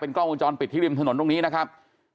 กล้องวงจรปิดที่ริมถนนตรงนี้นะครับ